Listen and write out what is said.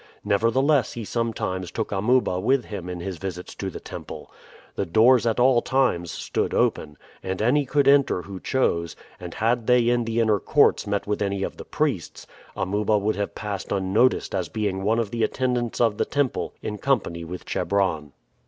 Nevertheless he sometimes took Amuba with him in his visits to the temple. The doors at all times stood open, and any could enter who chose, and had they in the inner courts met with any of the priests, Amuba would have passed unnoticed as being one of the attendants of the temple in company with Chebron.